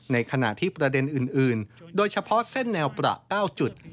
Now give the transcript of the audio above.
ในขณะที่ประเด็นอื่นโดยเฉพาะเส้นแนวประ๙จุด